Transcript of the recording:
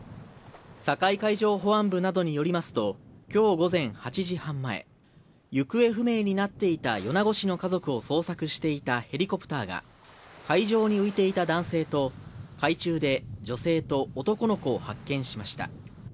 境海上保安部などによりますと、きょう午前８時半前、行方不明になっていた米子市の家族を捜索していたヘリコプターが、海上に浮いていた男性と、海中で女性と男の子を発見しました。